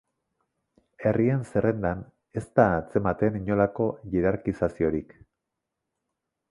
Herrien zerrendan ez da atzematen inolako hierarkizaziorik.